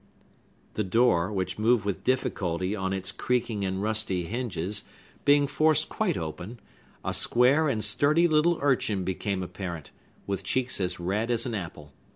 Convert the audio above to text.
The door, which moved with difficulty on its creaking and rusty hinges, being forced quite open, a square and sturdy little urchin became apparent, with cheeks as red as an apple.